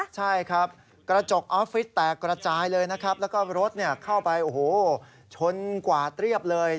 ใช่ครับกระจกออฟฟิศแตกกระจายเลยนะครับแล้วก็รถเข้าไปโอ้โหชนกวาดเรียบเลย